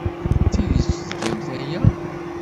D tidet tgamt aya?